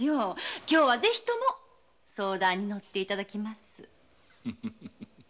今日はぜひとも相談に乗っていただきます。